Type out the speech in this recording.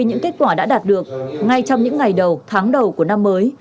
những kết quả đã đạt được ngay trong những ngày đầu tháng đầu của năm mới